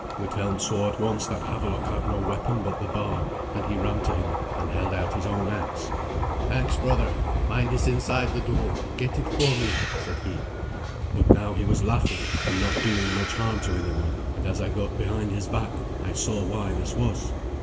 Withelm saw at once that Havelok had no weapon but the bar, and he ran to him and held out his own axe. "Thanks, brother. Mine is inside the door. Get it for me," said he; but now he was laughing, and doing not much harm to anyone, and as I got behind his back I saw why this was.